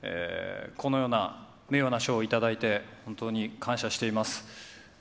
このような名誉な賞を頂いて、本当に感謝しています。